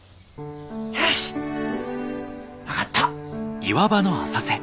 よし分かった。